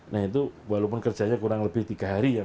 nah itu walaupun kerjanya kurang lebih tiga hari ya